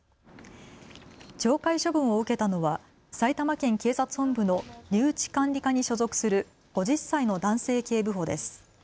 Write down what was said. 懲戒処分を受けたのは埼玉県警察本部の留置管理課に所属する５０歳の男性警部補です。